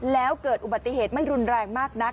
แล้วเกิดอุบัติเหตุไม่รุนแรงมากนัก